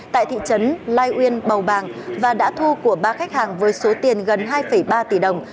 tại thị trấn lai uyên bầu bàng và đã thu của ba khách hàng với số tiền gần hai ba tỷ đồng